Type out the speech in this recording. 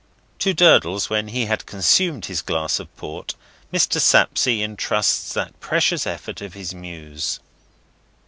To Durdles, when he had consumed his glass of port, Mr. Sapsea intrusts that precious effort of his Muse.